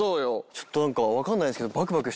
ちょっと何か分かんないっすけど。